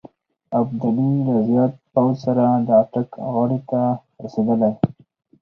ابدالي له زیات پوځ سره د اټک غاړې ته رسېدلی.